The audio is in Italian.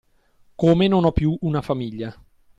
come non ho piú una famiglia.